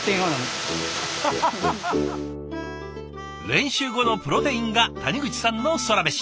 練習後のプロテインが谷口さんのソラメシ。